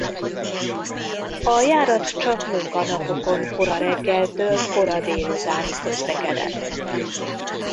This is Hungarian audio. A járat csak munkanapokon kora reggeltől kora délutánig közlekedett.